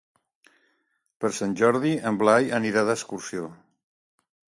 Per Sant Jordi en Blai anirà d'excursió.